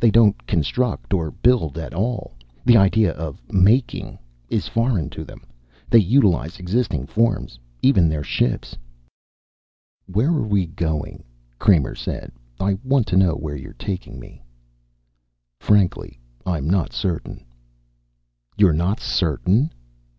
They don't construct or build at all. The idea of making is foreign to them. They utilize existing forms. Even their ships " "Where are we going?" Kramer said. "I want to know where you are taking me." "Frankly, I'm not certain." "You're not certain?"